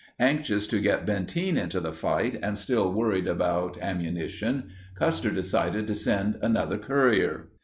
Anxious to get Benteen into the fight and still worried about ammunition, Custer decided to send another courier.